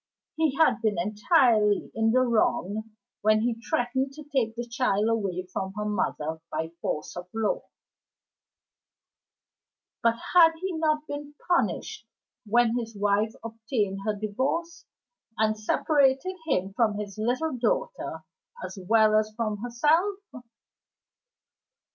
He had been entirely in the wrong when he threatened to take the child away from her mother by force of law; but had he not been punished when his wife obtained her Divorce, and separated him from his little daughter as well as from herself?